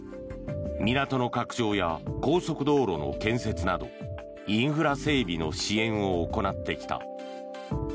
港の拡張や高速道路の建設などインフラ整備の支援を行ってきた。